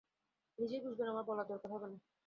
নিজেই বুঝবেন, আমার বলার দরকার হবে না।